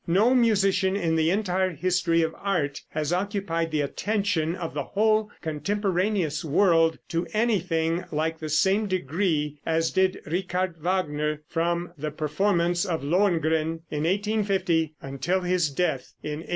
No musician in the entire history of art has occupied the attention of the whole contemporaneous world to anything like the same degree as did Richard Wagner, from the performance of "Lohengrin," in 1850, until his death in 1883.